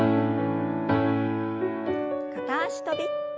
片脚跳び。